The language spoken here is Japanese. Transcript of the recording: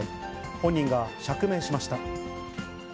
本人が釈明しました。